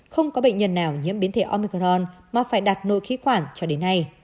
không có bệnh nhân nào nhiễm biến thể omicron mà phải đặt nội khí quản cho đến nay